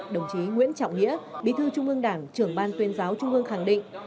đồng chí nguyễn trọng nghĩa bí thư trung ương đảng trưởng ban tuyên giáo trung ương khẳng định